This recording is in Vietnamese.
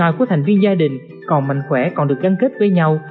hòa của thành viên gia đình còn mạnh khỏe còn được gắn kết với nhau